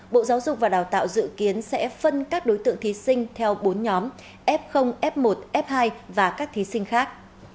bộ giáo dục và đào tạo dự kiến sẽ phân các đối tượng thí sinh theo bốn nhóm f f một f hai và các thí sinh khác